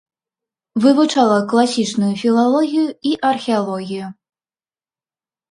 Вывучала класічную філалогію і археалогію.